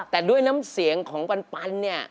แต่ด้วยน้ำเสียงของปันเนี่ย